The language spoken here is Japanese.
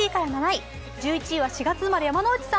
１１位は４月生まれ。